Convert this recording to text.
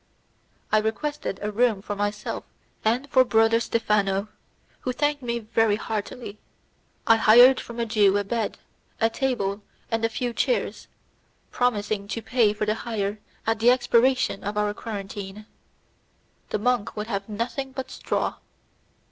I requested a room for myself and for Brother Stephano, who thanked me very heartily. I hired from a Jew a bed, a table and a few chairs, promising to pay for the hire at the expiration of our quarantine. The monk would have nothing but straw.